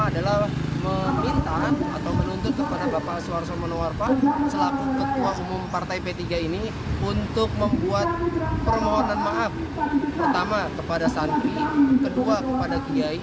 dan ketiga kepada pesantren pesantren di indonesia